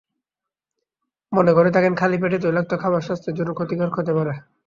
মনে করে থাকেন খালি পেটে তৈলাক্ত খাবার স্বাস্থ্যের জন্য ক্ষতিকারক হতে পারে।